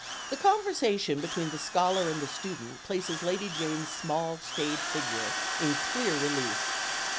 The conversation between the scholar and the student places Lady Jane's small staid figure in clear relief.